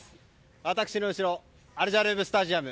私の後ろアルジャヌーブ・スタジアム